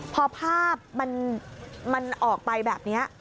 พอภาพมันออกไปแบบนี้